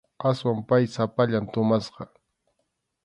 Aswan pay sapallan tumasqa.